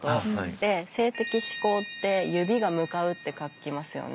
で「性的指向」って「指」が「向かう」って書きますよね。